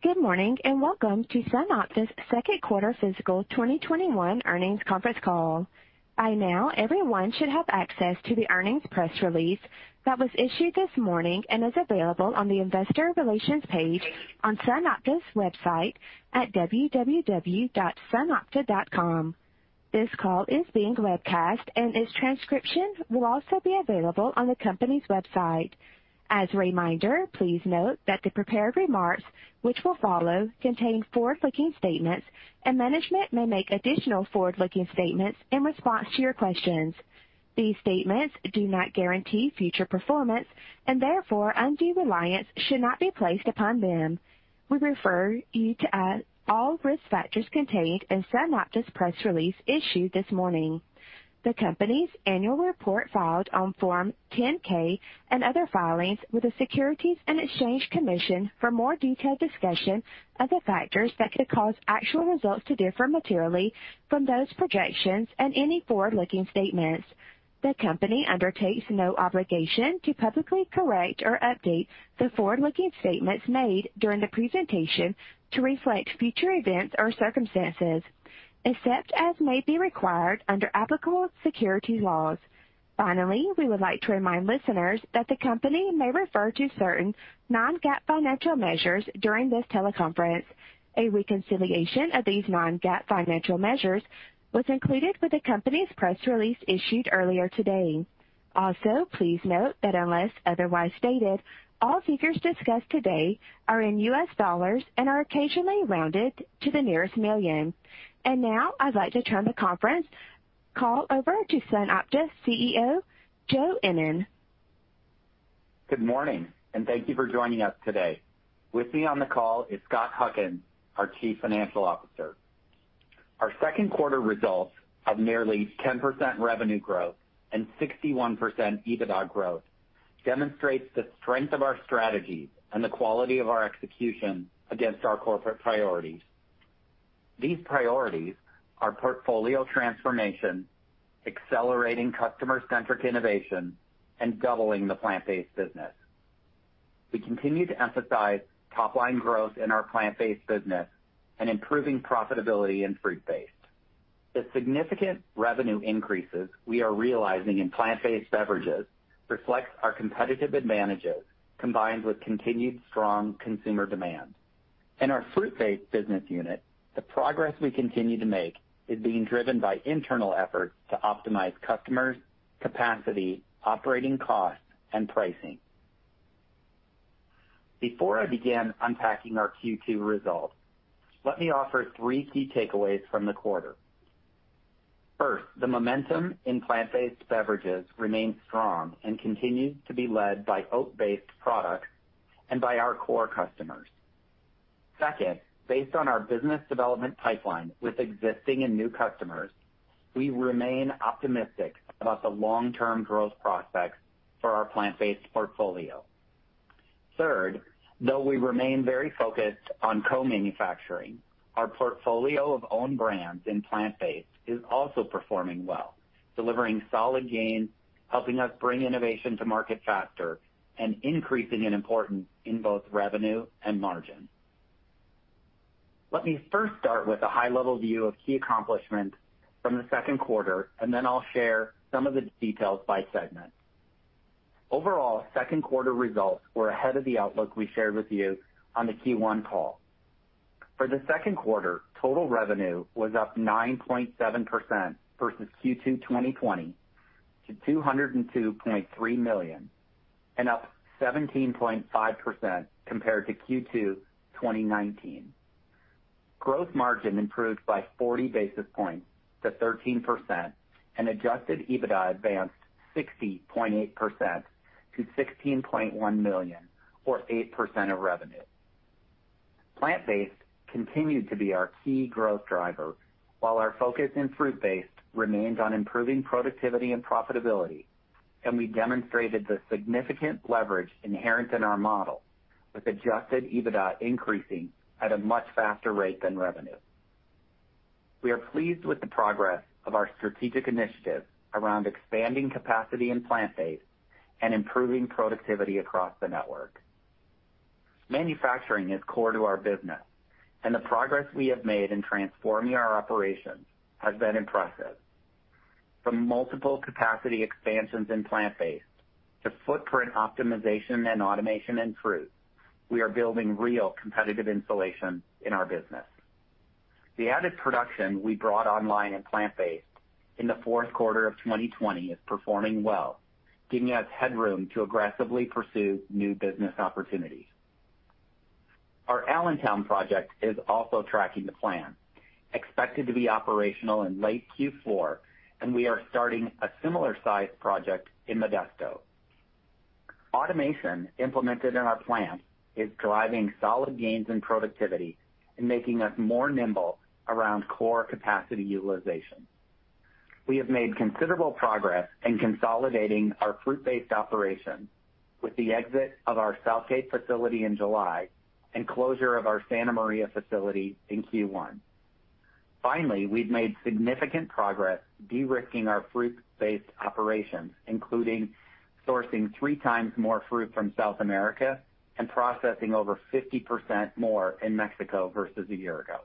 Good morning, and welcome to SunOpta's second quarter fiscal 2021 earnings conference call. By now, everyone should have access to the earnings press release that was issued this morning and is available on the investor relations page on SunOpta's website at www.sunopta.com. This call is being webcast and its transcription will also be available on the company's website. As a reminder, please note that the prepared remarks which will follow contain forward-looking statements, and management may make additional forward-looking statements in response to your questions. These statements do not guarantee future performance, and therefore, undue reliance should not be placed upon them. We refer you to all risk factors contained in SunOpta's press release issued this morning, the company's annual report filed on Form 10-K and other filings with the Securities and Exchange Commission for more detailed discussion of the factors that could cause actual results to differ materially from those projections and any forward-looking statements. The company undertakes no obligation to publicly correct or update the forward-looking statements made during the presentation to reflect future events or circumstances, except as may be required under applicable securities laws. Finally, we would like to remind listeners that the company may refer to certain non-GAAP financial measures during this teleconference. A reconciliation of these non-GAAP financial measures was included with the company's press release issued earlier today. Please note that unless otherwise stated, all figures discussed today are in US dollars and are occasionally rounded to the nearest $1 million. Now I'd like to turn the conference call over to SunOpta's CEO, Joe Ennen. Good morning, and thank you for joining us today. With me on the call is Scott Huckins, our chief financial officer. Our second quarter results of nearly 10% revenue growth and 61% EBITDA growth demonstrates the strength of our strategies and the quality of our execution against our corporate priorities. These priorities are portfolio transformation, accelerating customer-centric innovation, and doubling the plant-based business. We continue to emphasize top-line growth in our plant-based business and improving profitability in fruit-based. The significant revenue increases we are realizing in plant-based beverages reflects our competitive advantages, combined with continued strong consumer demand. In our fruit-based business unit, the progress we continue to make is being driven by internal efforts to optimize customers, capacity, operating costs, and pricing. Before I begin unpacking our Q2 results, let me offer three key takeaways from the quarter. First, the momentum in plant-based beverages remains strong and continues to be led by oat-based products and by our core customers. Second, based on our business development pipeline with existing and new customers, we remain optimistic about the long-term growth prospects for our plant-based portfolio. Third, though we remain very focused on co-manufacturing, our portfolio of own brands in plant-based is also performing well, delivering solid gains, helping us bring innovation to market faster, and increasing in importance in both revenue and margin. Let me first start with a high-level view of key accomplishments from the second quarter, and then I'll share some of the details by segment. Overall, second quarter results were ahead of the outlook we shared with you on the Q1 call. For the second quarter, total revenue was up 9.7% versus Q2 2020 to $202.3 million and up 17.5% compared to Q2 2019. Gross margin improved by 40 basis points to 13%, and adjusted EBITDA advanced 60.8% to $16.1 million or 8% of revenue. Plant-based continued to be our key growth driver, while our focus in fruit-based remains on improving productivity and profitability, and we demonstrated the significant leverage inherent in our model with adjusted EBITDA increasing at a much faster rate than revenue. We are pleased with the progress of our strategic initiatives around expanding capacity in plant-based and improving productivity across the network. Manufacturing is core to our business, and the progress we have made in transforming our operations has been impressive. From multiple capacity expansions in plant-based to footprint optimization and automation in fruit, we are building real competitive insulation in our business. The added production we brought online in plant-based in the fourth quarter of 2020 is performing well, giving us headroom to aggressively pursue new business opportunities. Our Allentown project is also tracking the plan expected to be operational in late Q4, and we are starting a similar size project in Modesto. Automation implemented in our plant is driving solid gains in productivity and making us more nimble around core capacity utilization. We have made considerable progress in consolidating our fruit-based operations with the exit of our Southgate facility in July and closure of our Santa Maria facility in Q1. We've made significant progress de-risking our fruit-based operations, including sourcing three times more fruit from South America and processing over 50% more in Mexico versus a year ago.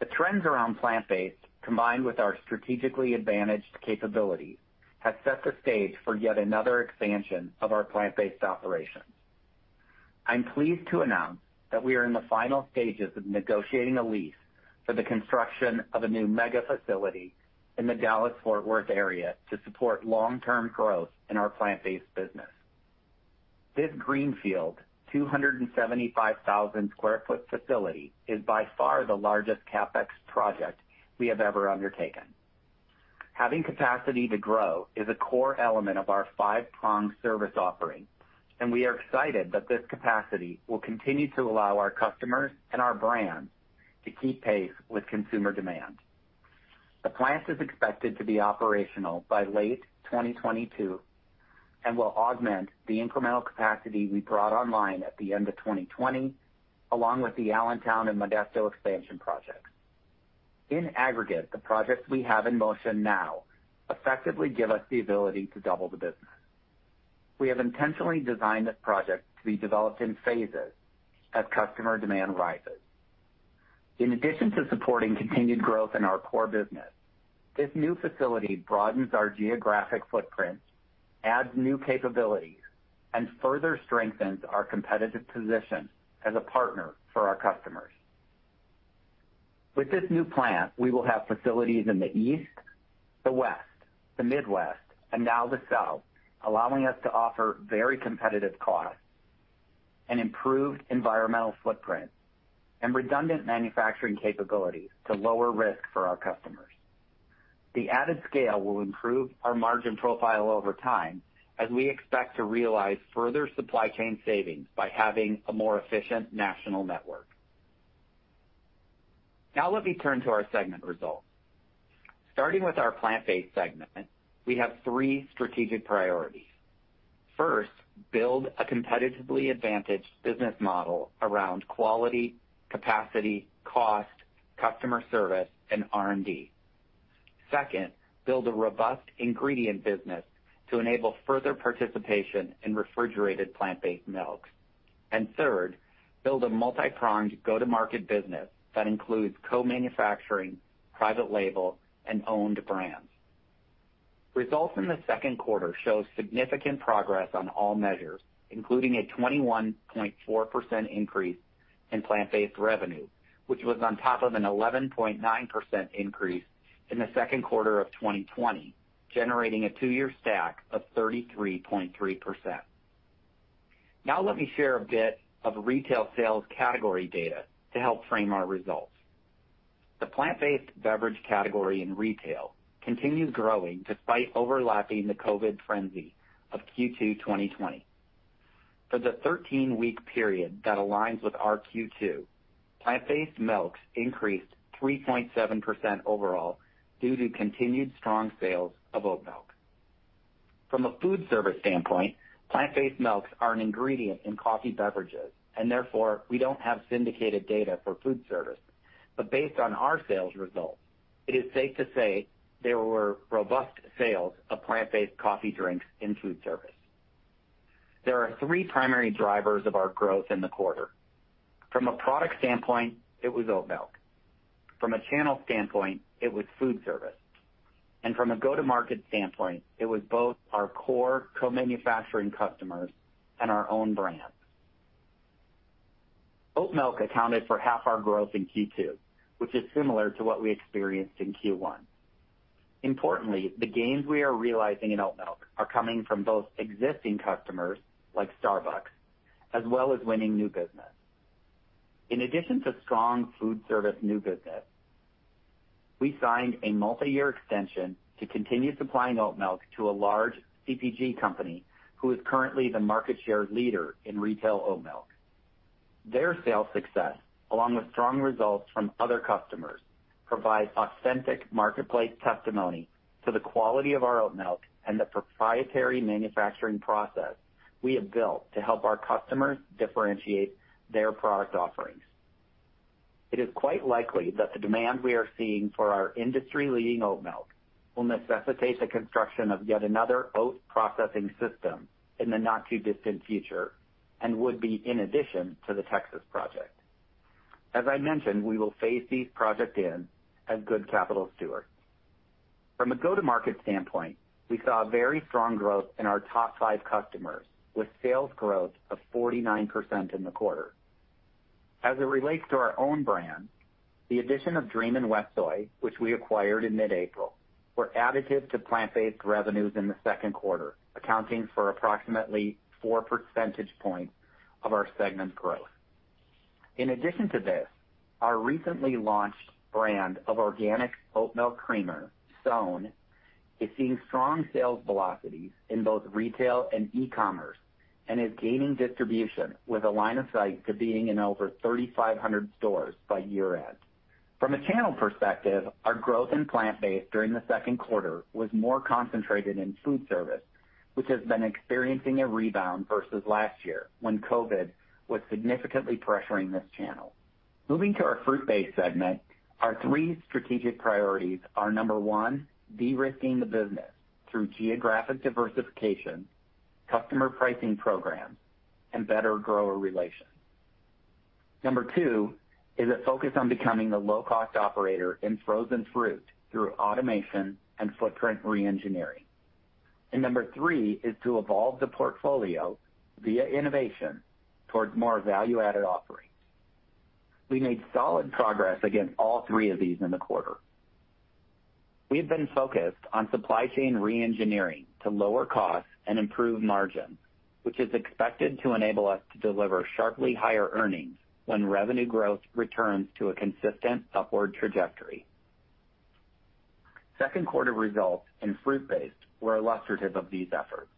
The trends around plant-based, combined with our strategically advantaged capabilities, have set the stage for yet another expansion of our plant-based operations. I'm pleased to announce that we are in the final stages of negotiating a lease for the construction of a new mega facility in the Dallas-Fort Worth area to support long-term growth in our plant-based business. This greenfield, 275,000 sq ft facility is by far the largest CapEx project we have ever undertaken. Having capacity to grow is a core element of our five-pronged service offering, and we are excited that this capacity will continue to allow our customers and our brands to keep pace with consumer demand. The plant is expected to be operational by late 2022, and will augment the incremental capacity we brought online at the end of 2020, along with the Allentown and Modesto expansion projects. In aggregate, the projects we have in motion now effectively give us the ability to double the business. We have intentionally designed this project to be developed in phases as customer demand rises. In addition to supporting continued growth in our core business, this new facility broadens our geographic footprint, adds new capabilities, and further strengthens our competitive position as a partner for our customers. With this new plant, we will have facilities in the East, the West, the Midwest, and now the South, allowing us to offer very competitive costs, an improved environmental footprint, and redundant manufacturing capabilities to lower risk for our customers. The added scale will improve our margin profile over time, as we expect to realize further supply chain savings by having a more efficient national network. Let me turn to our segment results. Starting with our plant-based segment, we have three strategic priorities. First, build a competitively advantaged business model around quality, capacity, cost, customer service, and R&D. Second, build a robust ingredient business to enable further participation in refrigerated plant-based milks. Third, build a multi-pronged go-to-market business that includes co-manufacturing, private label, and owned brands. Results in the second quarter show significant progress on all measures, including a 21.4% increase in plant-based revenue, which was on top of an 11.9% increase in the second quarter of 2020, generating a 2-year stack of 33.3%. Let me share a bit of retail sales category data to help frame our results. The plant-based beverage category in retail continues growing despite overlapping the COVID frenzy of Q2 2020. For the 13-week period that aligns with our Q2, plant-based milks increased 3.7% overall due to continued strong sales of oat milk. From a food service standpoint, plant-based milks are an ingredient in coffee beverages, and therefore, we don't have syndicated data for food service. Based on our sales results, it is safe to say there were robust sales of plant-based coffee drinks in food service. There are three primary drivers of our growth in the quarter. From a product standpoint, it was oat milk. From a channel standpoint, it was food service. From a go-to-market standpoint, it was both our core co-manufacturing customers and our own brands. Oat milk accounted for half our growth in Q2, which is similar to what we experienced in Q1. Importantly, the gains we are realizing in oat milk are coming from both existing customers, like Starbucks, as well as winning new business. In addition to strong food service new business, we signed a multi-year extension to continue supplying oat milk to a large CPG company who is currently the market share leader in retail oat milk. Their sales success, along with strong results from other customers, provides authentic marketplace testimony to the quality of our oat milk and the proprietary manufacturing process we have built to help our customers differentiate their product offerings. It is quite likely that the demand we are seeing for our industry-leading oat milk will necessitate the construction of yet another oat processing system in the not-too-distant future and would be in addition to the Texas project. As I mentioned, we will phase these projects in as good capital stewards. From a go-to-market standpoint, we saw very strong growth in our top five customers, with sales growth of 49% in the quarter. As it relates to our own brands, the addition of Dream and WestSoy, which we acquired in mid-April, were additive to plant-based revenues in the second quarter, accounting for approximately 4% points of our segment's growth. In addition to this, our recently launched brand of organic oat milk creamer, SOWN, is seeing strong sales velocities in both retail and e-commerce and is gaining distribution with a line of sight to being in over 3,500 stores by year-end. From a channel perspective, our growth in plant-based during the second quarter was more concentrated in food service, which has been experiencing a rebound versus last year, when COVID was significantly pressuring this channel. Moving to our fruit-based segment, our three strategic priorities are, number one, de-risking the business through geographic diversification, customer pricing programs, and better grower relations. Number two is a focus on becoming the low-cost operator in frozen fruit through automation and footprint re-engineering. Number three is to evolve the portfolio via innovation towards more value-added offerings. We made solid progress against all three of these in the quarter. We've been focused on supply chain re-engineering to lower costs and improve margin, which is expected to enable us to deliver sharply higher earnings when revenue growth returns to a consistent upward trajectory. Second quarter results in fruit-based were illustrative of these efforts.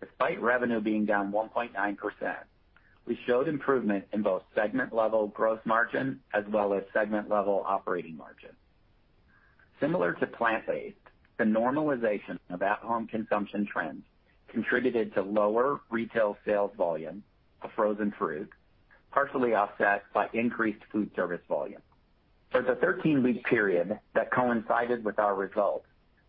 Despite revenue being down 1.9%, we showed improvement in both segment-level gross margin as well as segment-level operating margin. Similar to plant-based, the normalization of at-home consumption trends contributed to lower retail sales volume of frozen fruit, partially offset by increased food service volume. For the 13-week period that coincided with our results,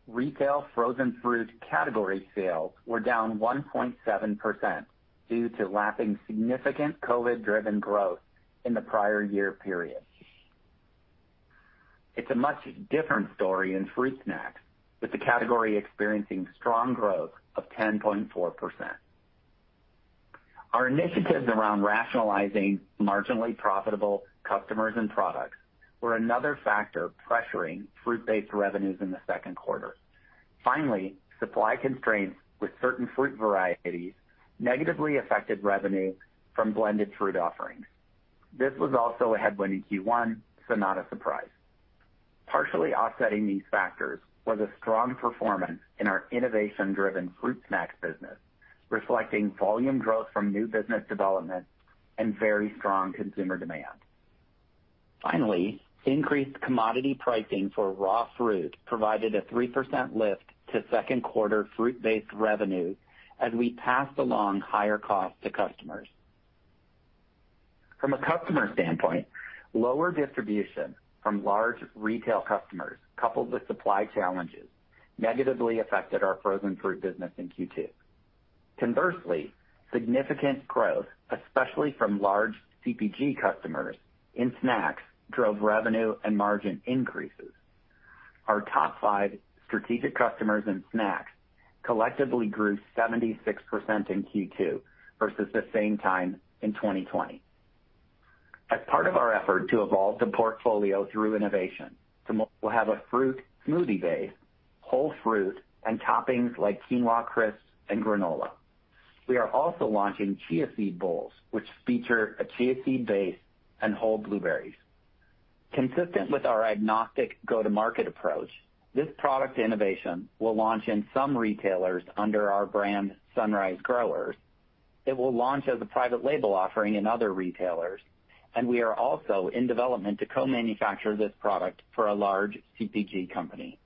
retail frozen fruit category sales were down 1.7% due to lapping significant COVID-driven growth in the prior year period. It's a much different story in fruit snacks, with the category experiencing strong growth of 10.4%. Our initiatives around rationalizing marginally profitable customers and products were another factor pressuring fruit-based revenues in the second quarter. Finally, supply constraints with certain fruit varieties negatively affected revenue from blended fruit offerings. This was also a headwind in Q1, so not a surprise. Partially offsetting these factors was a strong performance in our innovation-driven fruit snacks business, reflecting volume growth from new business development and very strong consumer demand. Finally, increased commodity pricing for raw fruit provided a 3% lift to second quarter fruit-based revenues as we passed along higher costs to customers. From a customer standpoint, lower distribution from large retail customers, coupled with supply challenges, negatively affected our frozen fruit business in Q2. Conversely, significant growth, especially from large CPG customers in snacks, drove revenue and margin increases. Our top five strategic customers in snacks collectively grew 76% in Q2 versus the same time in 2020. As part of our effort to evolve the portfolio through innovation, we'll have a fruit smoothie base, whole fruit, and toppings like quinoa crisps and granola. We are also launching chia seed bowls, which feature a chia seed base and whole blueberries. Consistent with our agnostic go-to-market approach, this product innovation will launch in some retailers under our brand, Sunrise Growers. It will launch as a private label offering in other retailers, and we are also in development to co-manufacture this product for a large CPG company.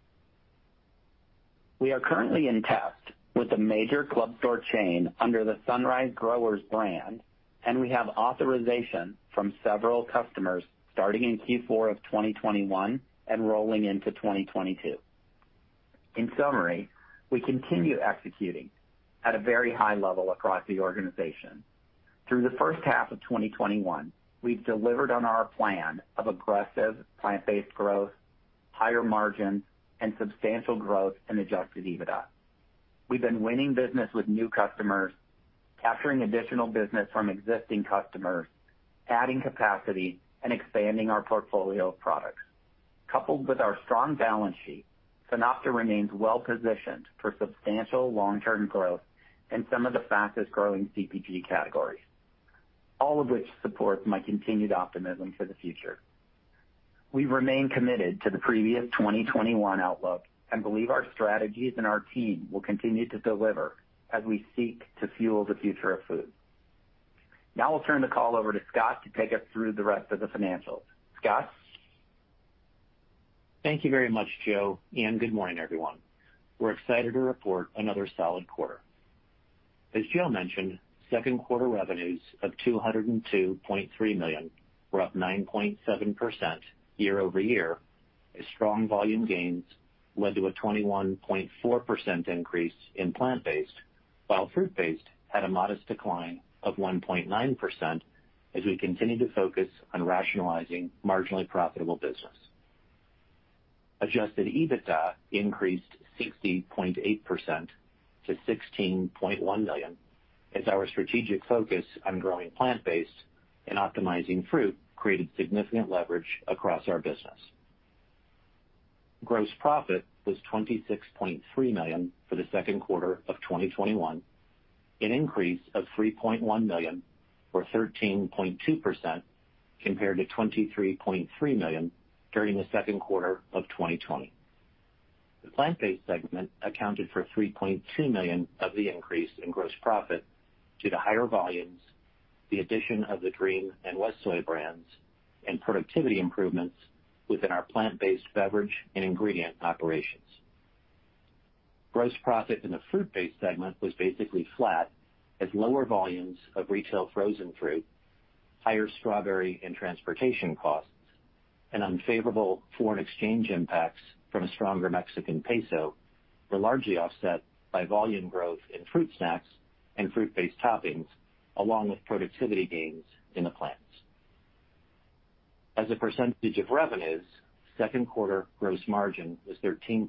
We are currently in test with a major club store chain under the Sunrise Growers brand, and we have authorization from several customers starting in Q4 of 2021 and rolling into 2022. In summary, we continue executing at a very high level across the organization. Through the first half of 2021, we've delivered on our plan of aggressive plant-based growth, higher margin, and substantial growth in adjusted EBITDA. We've been winning business with new customers, capturing additional business from existing customers, adding capacity, and expanding our portfolio of products. Coupled with our strong balance sheet, SunOpta remains well-positioned for substantial long-term growth in some of the fastest-growing CPG categories. All of which supports my continued optimism for the future. We remain committed to the previous 2021 outlook and believe our strategies and our team will continue to deliver as we seek to fuel the future of food. Now I'll turn the call over to Scott to take us through the rest of the financials. Scott? Thank you very much, Joe, and good morning, everyone. We're excited to report another solid quarter. As Joe mentioned, second quarter revenues of $202.3 million were up 9.7% year-over-year, as strong volume gains led to a 21.4% increase in plant-based, while fruit-based had a modest decline of 1.9% as we continue to focus on rationalizing marginally profitable business. Adjusted EBITDA increased 60.8% to $16.1 million as our strategic focus on growing plant-based and optimizing fruit created significant leverage across our business. Gross profit was $26.3 million for the second quarter of 2021, an increase of $3.1 million or 13.2% compared to $23.3 million during the second quarter of 2020. The plant-based segment accounted for $3.2 million of the increase in gross profit due to higher volumes, the addition of the Dream and WestSoy brands, and productivity improvements within our plant-based beverage and ingredient operations. Gross profit in the fruit-based segment was basically flat as lower volumes of retail frozen fruit, higher strawberry and transportation costs, and unfavorable foreign exchange impacts from a stronger Mexican peso were largely offset by volume growth in fruit snacks and fruit-based toppings, along with productivity gains in the plants. As a percentage of revenues, second quarter gross margin was 13%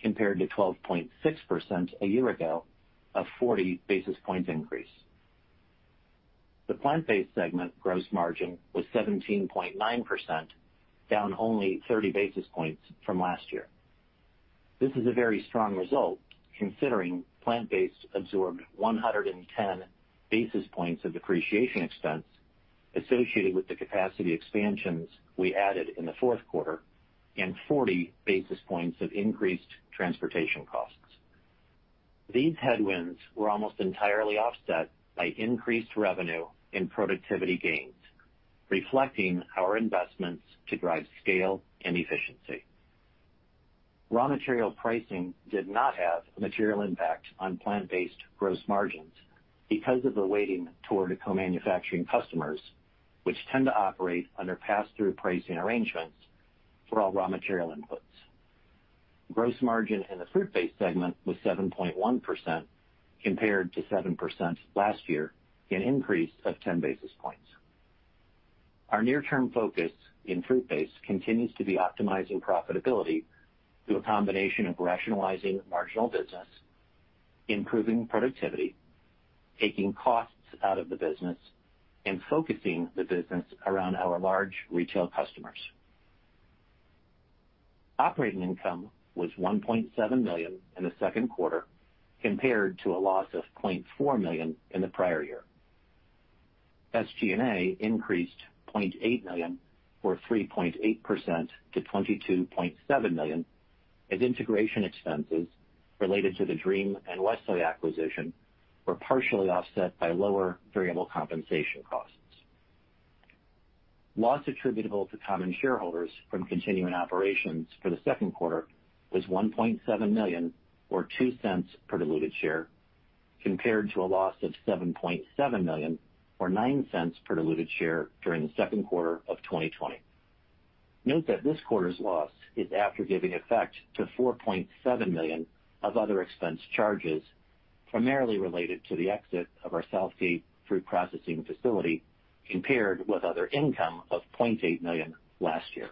compared to 12.6% a year ago, a 40 basis point increase. The plant-based segment gross margin was 17.9%, down only 30 basis points from last year. This is a very strong result considering plant-based absorbed 110 basis points of depreciation expense associated with the capacity expansions we added in the fourth quarter and 40 basis points of increased transportation costs. These headwinds were almost entirely offset by increased revenue and productivity gains, reflecting our investments to drive scale and efficiency. Raw material pricing did not have a material impact on plant-based gross margins because of the weighting toward co-manufacturing customers, which tend to operate under pass-through pricing arrangements for all raw material inputs. Gross margin in the fruit-based segment was 7.1% compared to 7% last year, an increase of 10 basis points. Our near-term focus in fruit-based continues to be optimizing profitability through a combination of rationalizing marginal business, improving productivity, taking costs out of the business, and focusing the business around our large retail customers. Operating income was $1.7 million in the second quarter compared to a loss of $0.4 million in the prior year. SG&A increased $0.8 million or 3.8% to $22.7 million as integration expenses related to the Dream and WestSoy acquisition were partially offset by lower variable compensation costs. Loss attributable to common shareholders from continuing operations for the second quarter was $1.7 million or $0.02 per diluted share, compared to a loss of $7.7 million or $0.09 per diluted share during the second quarter of 2020. Note that this quarter's loss is after giving effect to $4.7 million of other expense charges, primarily related to the exit of our Southgate fruit processing facility, compared with other income of $0.8 million last year.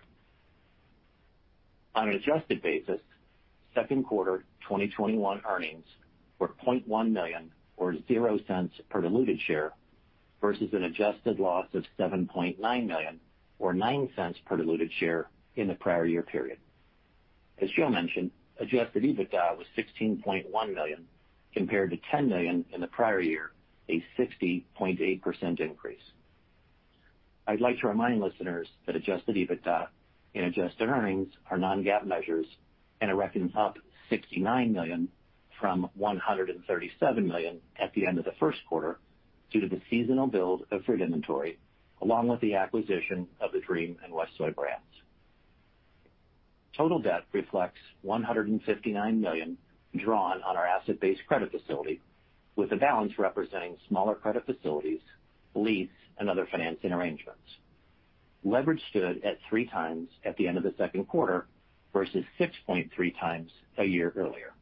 On an adjusted basis, second quarter 2021 earnings were $0.1 million or $0.00 per diluted share versus an adjusted loss of $7.9 million or $0.09 per diluted share in the prior year period. As Joe mentioned, adjusted EBITDA was $16.1 million compared to $10 million in the prior year, a 60.8% increase. I'd like to remind listeners that adjusted EBITDA and adjusted earnings are non-GAAP measures and are reckoned up $69 million from $137 million at the end of the first quarter due to the seasonal build of fruit inventory, along with the acquisition of the Dream and WestSoy brands. Total debt reflects $159 million drawn on our asset-based credit facility, with a balance representing smaller credit facilities, lease, and other financing arrangements. Leverage stood at 3 times at the end of the second quarter versus 6.3× a year earlier.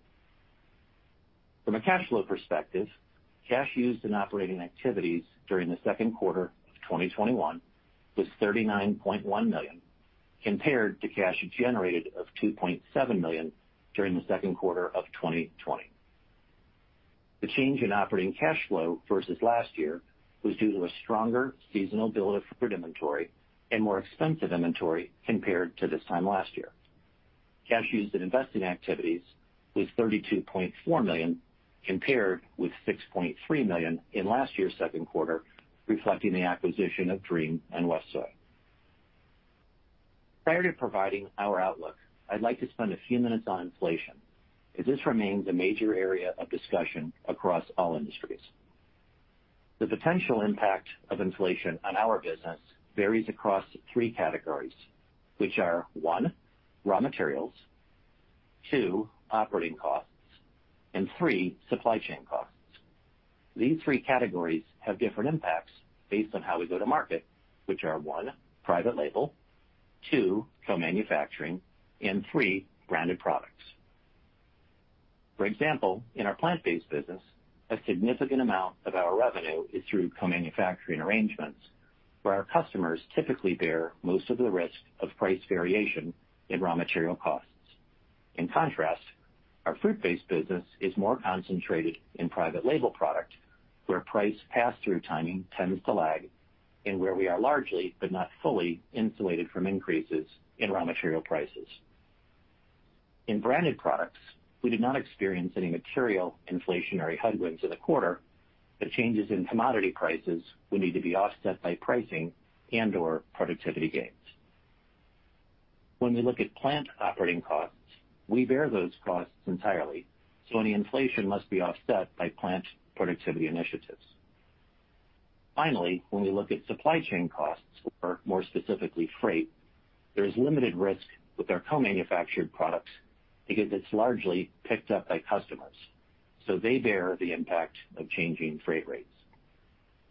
From a cash flow perspective, cash used in operating activities during the second quarter of 2021 was $39.1 million compared to cash generated of $2.7 million during the second quarter of 2020. The change in operating cash flow versus last year was due to a stronger seasonal build of fruit inventory and more expensive inventory compared to this time last year. Cash used in investing activities was $32.4 million, compared with $6.3 million in last year's second quarter, reflecting the acquisition of Dream and WestSoy. Prior to providing our outlook, I'd like to spend a few minutes on inflation, as this remains a major area of discussion across all industries. The potential impact of inflation on our business varies across three categories, which are, one, raw materials, two, operating costs, and three, supply chain costs. These three categories have different impacts based on how we go to market, which are, one, private label, two, co-manufacturing, and three, branded products. For example, in our plant-based business, a significant amount of our revenue is through co-manufacturing arrangements where our customers typically bear most of the risk of price variation in raw material costs. In contrast, our fruit-based business is more concentrated in private label product, where price pass-through timing tends to lag and where we are largely, but not fully, insulated from increases in raw material prices. In branded products, we did not experience any material inflationary headwinds in the quarter, but changes in commodity prices will need to be offset by pricing and/or productivity gains. When we look at plant operating costs, we bear those costs entirely, so any inflation must be offset by plant productivity initiatives. Finally, when we look at supply chain costs, or more specifically, freight, there's limited risk with our co-manufactured products because it's largely picked up by customers, so they bear the impact of changing freight rates.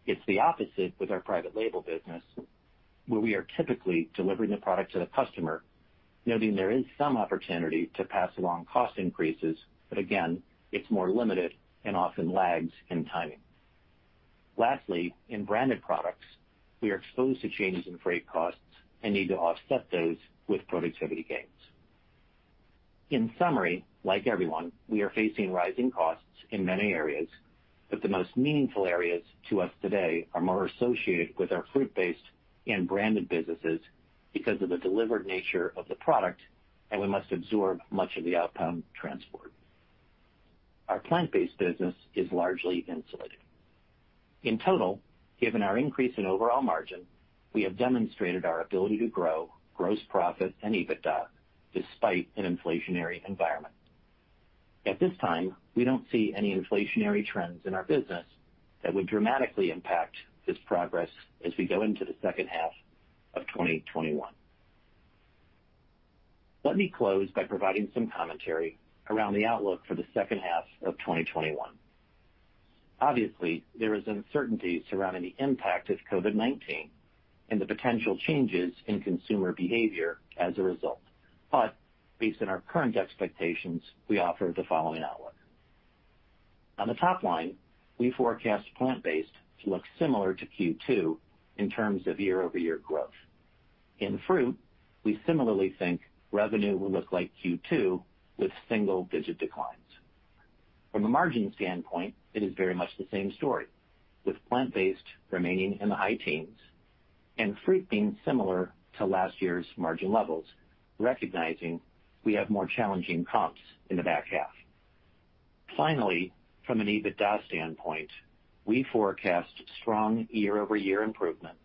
It's the opposite with our private label business, where we are typically delivering the product to the customer, noting there is some opportunity to pass along cost increases. Again, it's more limited and often lags in timing. Lastly, in branded products, we are exposed to changes in freight costs and need to offset those with productivity gains. In summary, like everyone, we are facing rising costs in many areas, but the most meaningful areas to us today are more associated with our fruit-based and branded businesses because of the delivered nature of the product, and we must absorb much of the outbound transport. Our plant-based business is largely insulated. In total, given our increase in overall margin, we have demonstrated our ability to grow gross profit and EBITDA despite an inflationary environment. At this time, we don't see any inflationary trends in our business that would dramatically impact this progress as we go into the second half of 2021. Let me close by providing some commentary around the outlook for the second half of 2021. Obviously, there is uncertainty surrounding the impact of COVID-19 and the potential changes in consumer behavior as a result. Based on our current expectations, we offer the following outlook. On the top line, we forecast plant-based to look similar to Q2 in terms of year-over-year growth. In fruit, we similarly think revenue will look like Q2 with single-digit declines. From a margin standpoint, it is very much the same story, with plant-based remaining in the high teens and fruit being similar to last year's margin levels, recognizing we have more challenging comps in the back half. Finally, from an EBITDA standpoint, we forecast strong year-over-year improvements,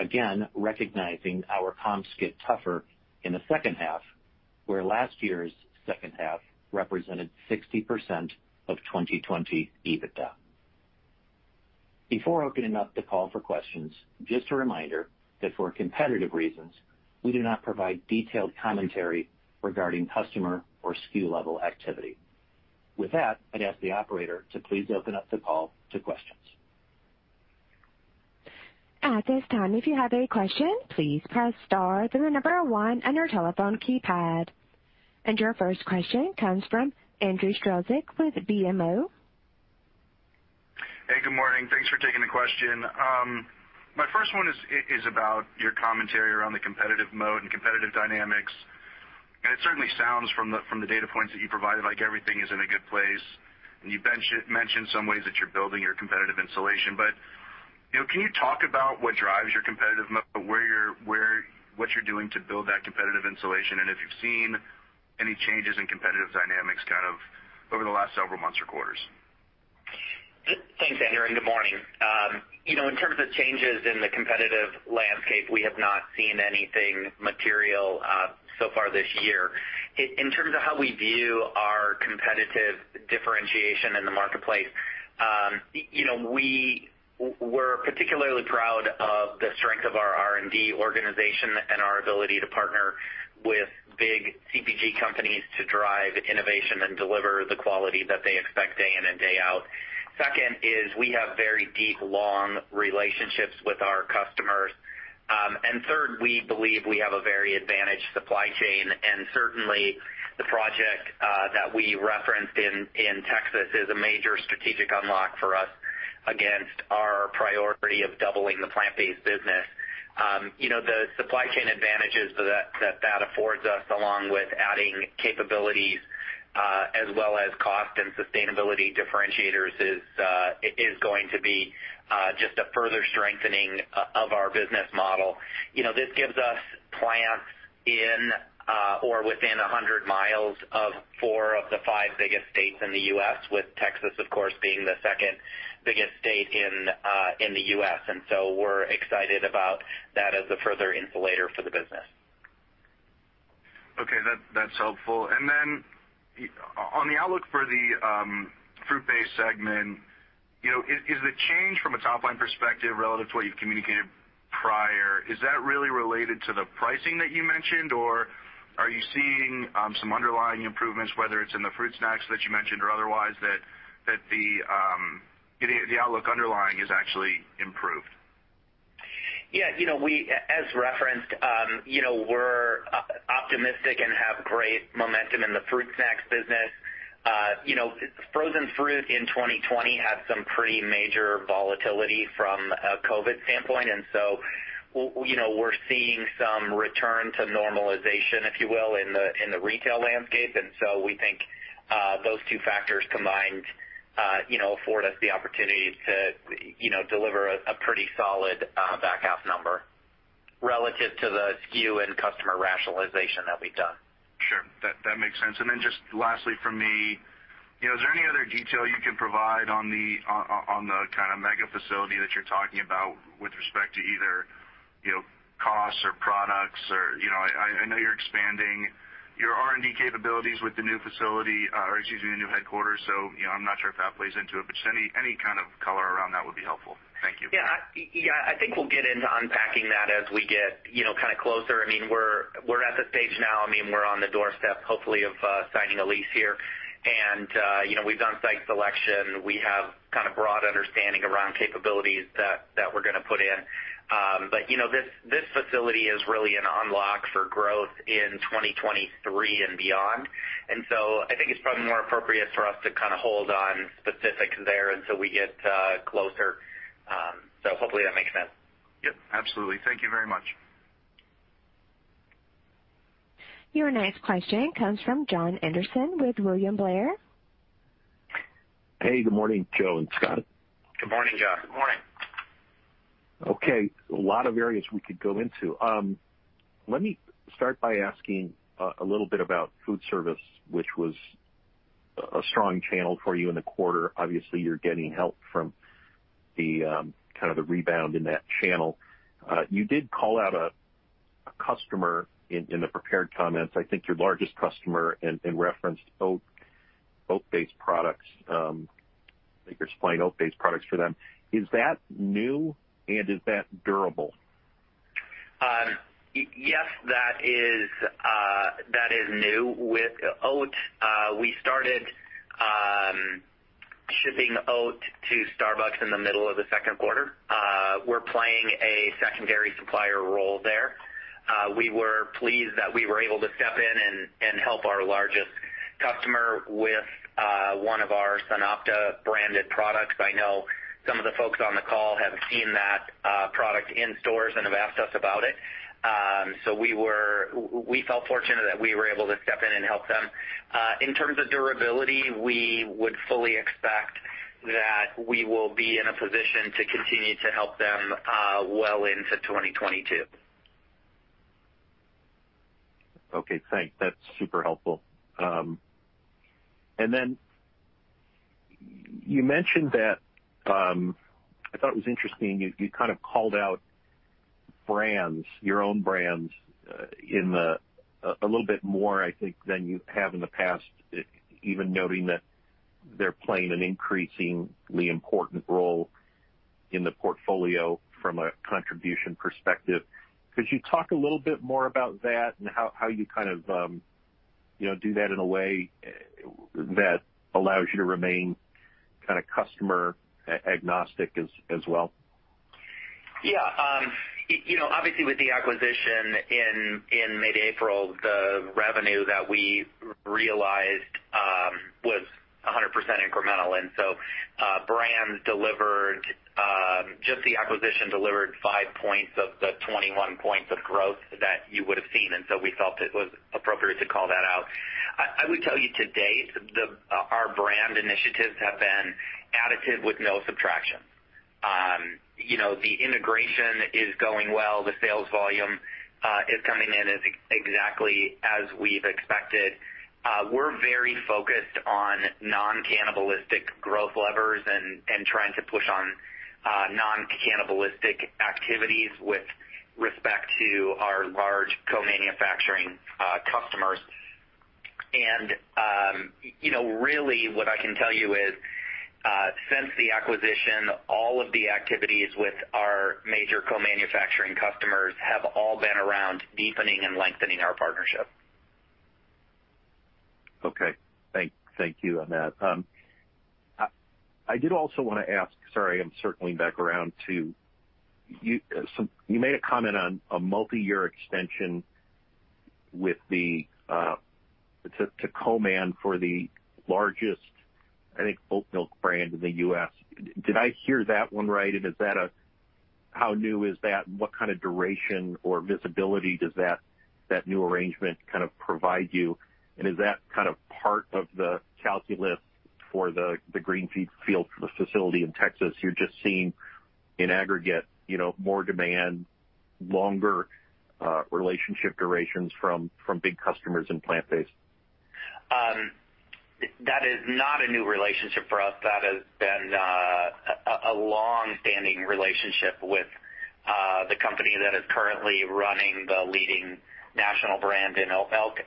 again, recognizing our comps get tougher in the second half, where last year's second half represented 60% of 2020 EBITDA. Before opening up the call for questions, just a reminder that for competitive reasons, we do not provide detailed commentary regarding customer or SKU-level activity. With that, I'd ask the operator to please open up the call to questions. Your first question comes from Andrew Strelzik with BMO. Hey, good morning. Thanks for taking the question. My first one is about your commentary around the competitive mode and competitive dynamics. It certainly sounds from the data points that you provided like everything is in a good place, and you've mentioned some ways that you're building your competitive insulation. Can you talk about what drives your competitive mode, what you're doing to build that competitive insulation, and if you've seen any changes in competitive dynamics over the last several months or quarters? Thanks, Andrew. Good morning. In terms of changes in the competitive landscape, we have not seen anything material so far this year. In terms of how we view our competitive differentiation in the marketplace, we're particularly proud of the strength of our R&D organization and our ability to partner with big CPG companies to drive innovation and deliver the quality that they expect day in and day out. Second is we have very deep, long relationships with our customers. Third, we believe we have a very advantaged supply chain, and certainly the project that we referenced in Texas is a major strategic unlock for us against our priority of doubling the plant-based business. The supply chain advantages that affords us, along with adding capabilities as well as cost and sustainability differentiators, is going to be just a further strengthening of our business model. This gives us plants in or within 100 miles of four of the five biggest states in the U.S., with Texas, of course, being the 2nd biggest state in the U.S. We're excited about that as a further insulator for the business. Okay. That's helpful. On the outlook for the fruit-based segment, is the change from a top-line perspective relative to what you've communicated prior, is that really related to the pricing that you mentioned, or are you seeing some underlying improvements, whether it's in the fruit snacks that you mentioned or otherwise, that the outlook underlying is actually improved? Yeah. As referenced, we're optimistic and have great momentum in the fruit snacks business. Frozen fruit in 2020 had some pretty major volatility from a COVID standpoint, and so we're seeing some return to normalization, if you will, in the retail landscape. We think those two factors combined afford us the opportunity to deliver a pretty solid back half number relative to the SKU and customer rationalization that we've done. Sure. That makes sense. Just lastly from me, is there any other detail you can provide on the mega facility that you're talking about? I know you're expanding your R&D capabilities with the new facility, or excuse me, the new headquarters. I'm not sure if that plays into it, but just any kind of color around that would be helpful. Thank you. I think we'll get into unpacking that as we get closer. We're at the stage now, we're on the doorstep, hopefully, of signing a lease here. We've done site selection. We have broad understanding around capabilities that we're going to put in. This facility is really an unlock for growth in 2023 and beyond. I think it's probably more appropriate for us to kind of hold on specifics there until we get closer. Hopefully that makes sense. Yep, absolutely. Thank you very much. Your next question comes from Jon Andersen with William Blair. Hey, good morning, Joe and Scott. Good morning, Jon. Okay. A lot of areas we could go into. Let me start by asking a little bit about food service, which was a strong channel for you in the quarter. Obviously, you're getting help from the rebound in that channel. You did call out a customer in the prepared comments, I think your largest customer, and referenced oat-based products. I think you're supplying oat-based products for them. Is that new, and is that durable? Yes, that is new. With oat, we started shipping oat to Starbucks in the middle of the second quarter. We're playing a secondary supplier role there. We were pleased that we were able to step in and help our largest customer with one of our SunOpta branded products. I know some of the folks on the call have seen that product in stores and have asked us about it. We felt fortunate that we were able to step in and help them. In terms of durability, we would fully expect that we will be in a position to continue to help them well into 2022. Okay, thanks. That's super helpful. I thought it was interesting, you kind of called out brands, your own brands, a little bit more, I think, than you have in the past, even noting that they're playing an increasingly important role in the portfolio from a contribution perspective. Could you talk a little bit more about that and how you kind of do that in a way that allows you to remain customer agnostic as well? Yeah. Obviously, with the acquisition in mid-April, the revenue that we realized was 100% incremental. Brands delivered, just the acquisition delivered 5 points of the 21 points of growth that you would've seen. We felt it was appropriate to call that out. I would tell you today, our brand initiatives have been additive with no subtraction. The integration is going well. The sales volume is coming in exactly as we've expected. We're very focused on non-cannibalistic growth levers and trying to push on non-cannibalistic activities with respect to our large co-manufacturing customers. Really what I can tell you is, since the acquisition, all of the activities with our major co-manufacturing customers have all been around deepening and lengthening our partnership. Okay, thank you on that. I did also want to ask, sorry, I'm circling back around too. You made a comment on a multi-year extension to co-man for the largest, I think, oat milk brand in the U.S. Did I hear that one right? How new is that, and what kind of duration or visibility does that new arrangement provide you? Is that part of the calculus for the greenfield for the facility in Texas? You're just seeing in aggregate more demand, longer relationship durations from big customers in plant-based. That is not a new relationship for us. That has been a longstanding relationship with the company that is currently running the leading national brand in oat milk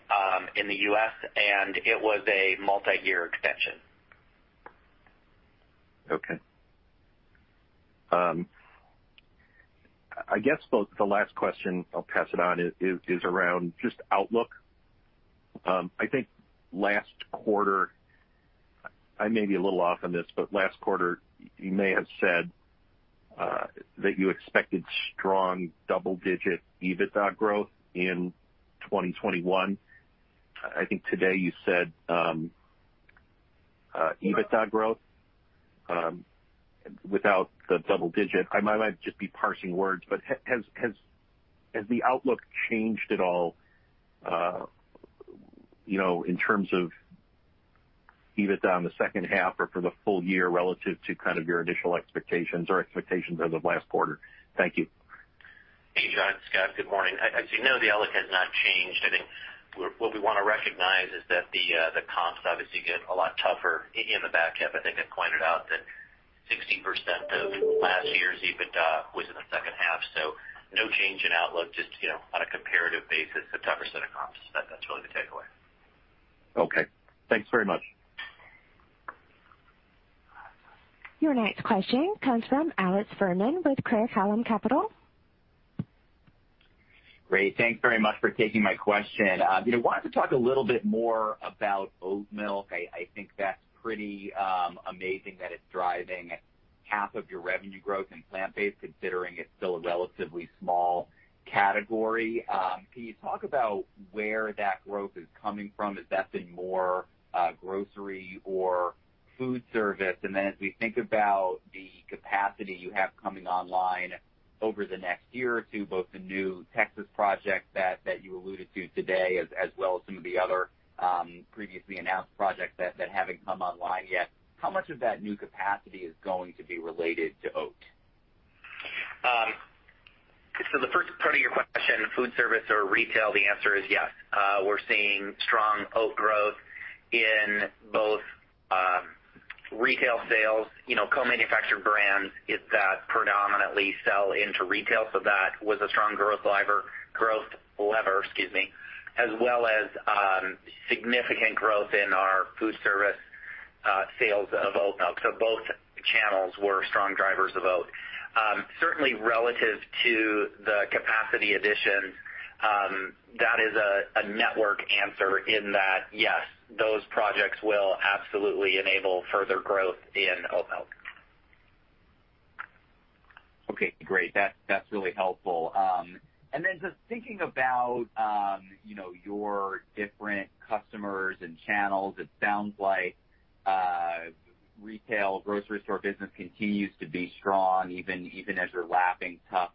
in the U.S., and it was a multi-year extension. Okay. I guess the last question, I'll pass it on, is around just outlook. I think last quarter, I may be a little off on this, last quarter, you may have said that you expected strong double-digit EBITDA growth in 2021. I think today you said EBITDA growth without the double digit. Has the outlook changed at all in terms of EBITDA in the second half or for the full year relative to your initial expectations or expectations as of last quarter? Thank you. Hey, Jon. Scott. Good morning. As you know, the outlook has not changed. What we want to recognize is that the comps obviously get a lot tougher in the back half. I pointed out that 60% of last year's EBITDA was in the second half, so no change in outlook, just on a comparative basis, a tougher set of comps. That's really the takeaway. Okay. Thanks very much. Your next question comes from Alex Fuhrman with Craig-Hallum Capital. Great. Thanks very much for taking my question. Wanted to talk a little bit more about oat milk. I think that's pretty amazing that it's driving half of your revenue growth in plant-based, considering it's still a relatively small category. Can you talk about where that growth is coming from? Has that been more grocery or food service? Then as we think about the capacity you have coming online over the next year or two, both the new Texas project that you alluded to today, as well as some of the other previously announced projects that haven't come online yet, how much of that new capacity is going to be related to oat? The first part of your question, food service or retail, the answer is yes. We're seeing strong oat growth in both retail sales, co-manufactured brands that predominantly sell into retail. That was a strong growth lever, excuse me, as well as significant growth in our food service sales of oat milk. Both channels were strong drivers of oat. Certainly relative to the capacity addition, that is a network answer in that, yes, those projects will absolutely enable further growth in oat milk. Okay, great. That's really helpful. Then just thinking about your different customers and channels, it sounds like retail grocery store business continues to be strong, even as you're lapping tough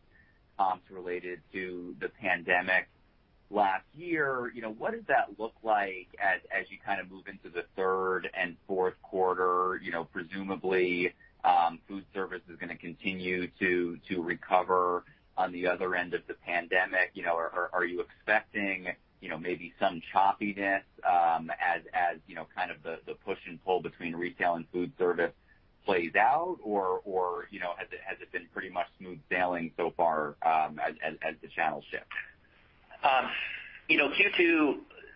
comps related to the pandemic last year. What does that look like as you move into the third and fourth quarter? Presumably food service is going to continue to recover on the other end of the pandemic. Are you expecting maybe some choppiness as the push and pull between retail and food service plays out? Has it been pretty much smooth sailing so far as the channel shifts?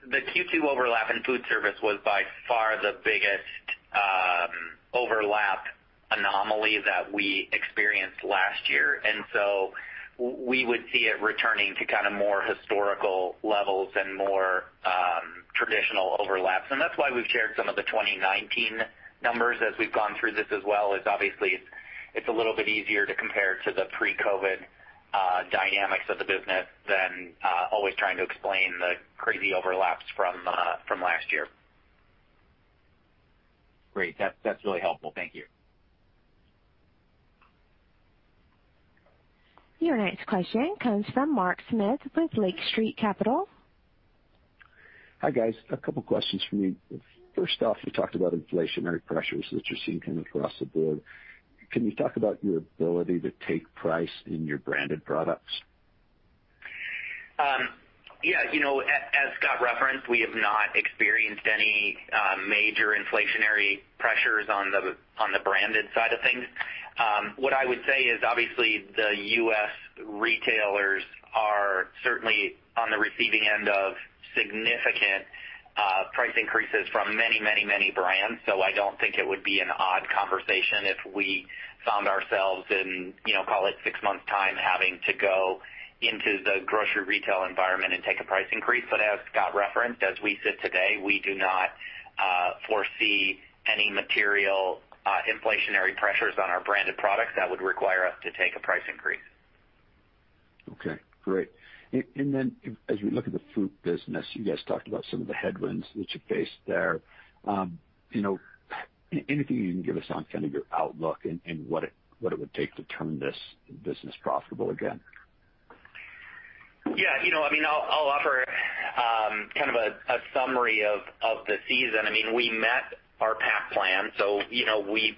The Q2 overlap in food service was by far the biggest overlap anomaly that we experienced last year. We would see it returning to more historical levels and more traditional overlaps. That's why we've shared some of the 2019 numbers as we've gone through this as well, is obviously it's a little bit easier to compare to the pre-COVID dynamics of the business than always trying to explain the crazy overlaps from last year. Great. That's really helpful. Thank you. Your next question comes from Mark Smith with Lake Street Capital. Hi, guys. A couple questions for me. First off, you talked about inflationary pressures that you're seeing across the board. Can you talk about your ability to take price in your branded products? Yeah. As Scott referenced, we have not experienced any major inflationary pressures on the branded side of things. What I would say is, obviously, the U.S. retailers are certainly on the receiving end of significant price increases from many, many, many brands. I don't think it would be an odd conversation if we found ourselves in, call it six months' time, having to go into the grocery retail environment and take a price increase. As Scott referenced, as we sit today, we do not foresee any material inflationary pressures on our branded products that would require us to take a price increase. Okay, great. As we look at the fruit business, you guys talked about some of the headwinds that you faced there. Anything you can give us on your outlook and what it would take to turn this business profitable again? Yeah. I'll offer a summary of the season. We met our pack plan, so we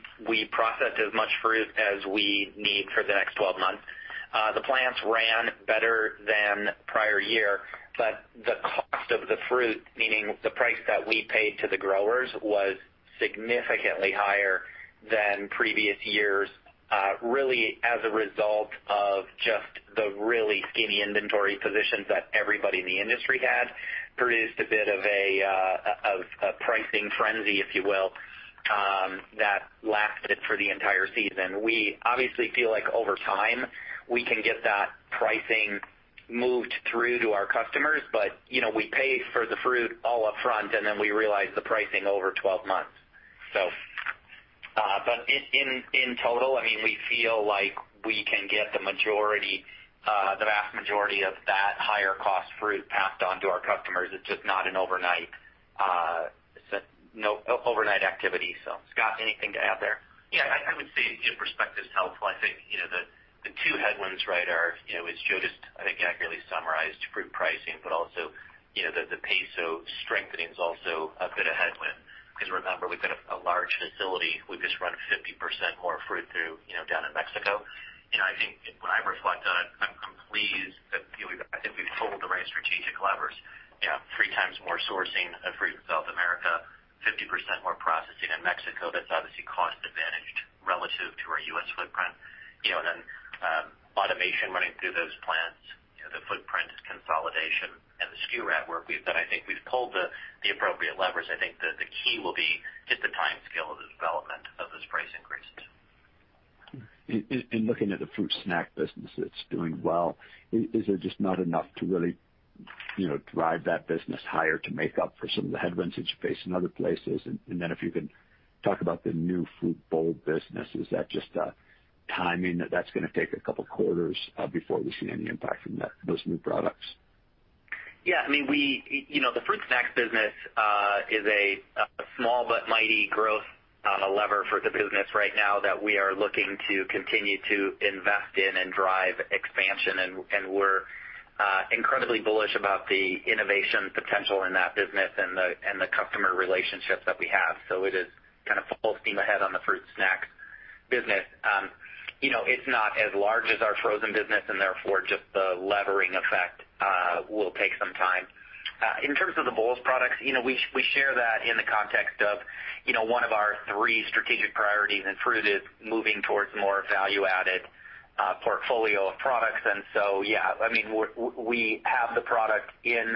processed as much fruit as we need for the next 12 months. The plants ran better than prior year, but the cost of the fruit, meaning the price that we paid to the growers, was significantly higher than previous years. Really as a result of just the really skinny inventory positions that everybody in the industry had produced a bit of a pricing frenzy, if you will, that lasted for the entire season. We obviously feel like over time, we can get that pricing moved through to our customers. We pay for the fruit all up front, and then we realize the pricing over 12 months. In total, we feel like we can get the vast majority of that higher cost fruit passed on to our customers. It's just not an overnight activity. Scott, anything to add there? Yeah, I would say your perspective's helpful. The two headwinds, right, are, as Joe just, I think, accurately summarized fruit pricing, but also, the peso strengthening's also a bit of a headwind. Because remember, we've got a large facility. We just run 50% more fruit through down in Mexico. When I reflect on it, I'm pleased that I think we've pulled the right strategic levers. 3× more sourcing of fruit from South America, 50% more processing in Mexico. That's obviously cost advantaged relative to our U.S. footprint. Automation running through those plants, the footprint consolidation and the SKU rationalization work we've done, I think we've pulled the appropriate levers. The key will be just the timescale of the development of those price increases. Looking at the fruit snack business that's doing well, is it just not enough to really drive that business higher to make up for some of the headwinds that you face in other places? If you can talk about the new fruit bowl business, is that just a timing that's going to take a couple quarters before we see any impact from those new products? Yeah. The fruit snacks business is a small but mighty growth lever for the business right now that we are looking to continue to invest in and drive expansion. We're incredibly bullish about the innovation potential in that business and the customer relationships that we have. It is full steam ahead on the fruit snacks business. It's not as large as our frozen business, and therefore, just the levering effect will take some time. In terms of the bowls products, we share that in the context of one of our three strategic priorities in fruit is moving towards more value-added portfolio of products. Yeah, we have the product in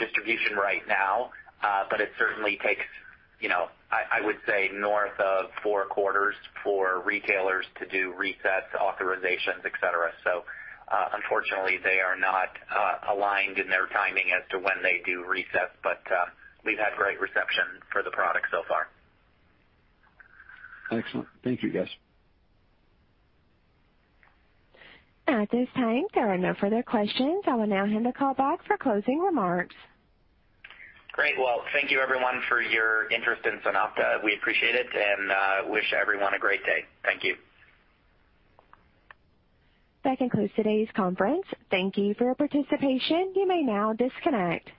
distribution right now. It certainly takes, I would say, north of four quarters for retailers to do resets, authorizations, et cetera. Unfortunately, they are not aligned in their timing as to when they do resets. We've had great reception for the product so far. Excellent. Thank you, guys. At this time, there are no further questions. I will now hand the call back for closing remarks. Great. Well, thank you everyone for your interest in SunOpta. We appreciate it and wish everyone a great day. Thank you. That concludes today's conference. Thank you for your participation. You may now disconnect.